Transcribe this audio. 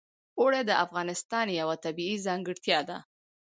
اوړي د افغانستان یوه طبیعي ځانګړتیا ده.